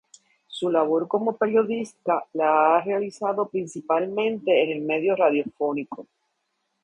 Su labor como periodista la ha realizado principalmente en el medio radiofónico.